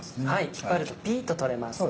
引っ張るとピっと取れますね。